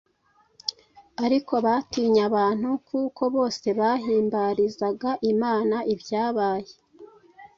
ariko batinye abantu; “kuko bose bahimbarizaga Imana ibyabaye”.